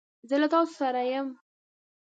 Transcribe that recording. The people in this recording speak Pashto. زه له تاسو سره یم.